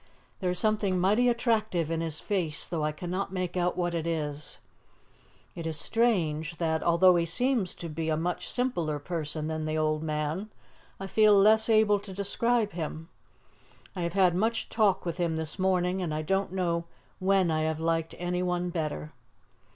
There is something mighty attractive in his face, though I cannot make out what it is. It is strange that, though he seems to be a much simpler person than the old man, I feel less able to describe him. I have had much talk with him this morning, and I don't know when I have liked anyone better.